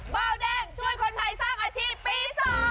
เบาแดงช่วยคนไทยสร้างอาชีพปี๒